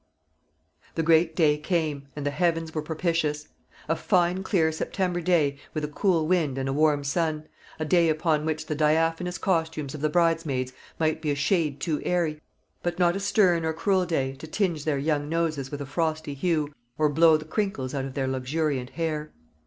The great day came, and the heavens were propitious. A fine clear September day, with a cool wind and a warm sun; a day upon which the diaphanous costumes of the bridesmaids might be a shade too airy; but not a stern or cruel day, to tinge their young noses with a frosty hue, or blow the crinkles out of their luxuriant hair.